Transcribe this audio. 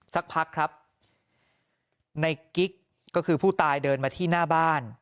สักพักครับในกิ๊กก็คือผู้ตายเดินมาที่หน้าบ้าน